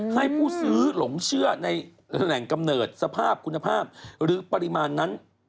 ให้ผู้ซื้อหลงเชื่อในแหล่งกำเนิดสภาพคุณภาพหรือปริมาณนั้น